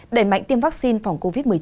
đẩy mạnh tiêm vaccine phòng covid một mươi chín